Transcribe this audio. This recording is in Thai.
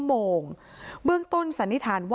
อาบน้ำเป็นจิตเที่ยว